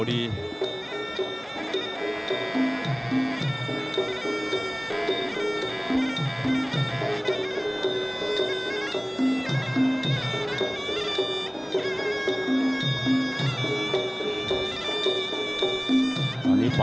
สูง๑๗๙เซนติเมตรครับ